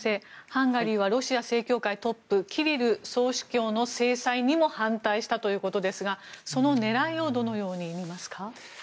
ハンガリーはロシア正教会トップキリル総主教の制裁にも反対したということですがその狙いをどのように見ますか？